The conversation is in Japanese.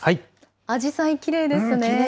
あじさい、きれいですね。